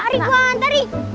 tarik wan tarik